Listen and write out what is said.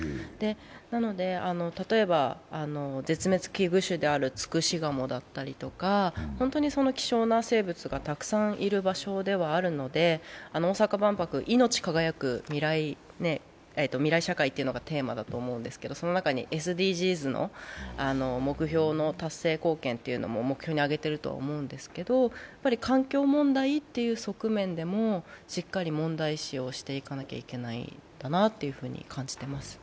なので絶滅危惧種であるツクシガモだったりとか、ホントにその希少な生物がたくさんいる場所ではあるので、大阪万博、命輝く未来社会というのがテーマだと思うんですが、その中にＳＤＧｓの目標の達成貢献も目標に挙げているとは思うんですけれども環境問題っていう側面でもしっかり問題視していかなければいけないんだなと感じています。